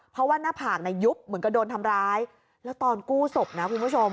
เพราะว่าหน้าผากยุบเหมือนกับโดนทำร้ายแล้วตอนกู้ศพนะคุณผู้ชม